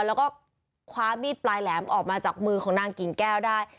แล้วก็คว้ามีดปลายแหลมออกมาจากมือของนางกิ่งแก้วได้